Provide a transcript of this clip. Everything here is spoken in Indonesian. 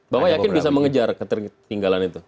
bapak yakin bisa mengejar ketertinggalan itu